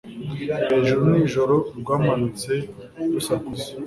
hejuru nijoro rwamanutse rusakuza